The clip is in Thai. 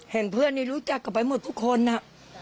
เห็นเพื่อนนี้รู้จักกันไปหมดทุกคนน่ะ